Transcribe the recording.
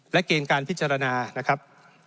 และเกณฑ์การพิจารณานะครับ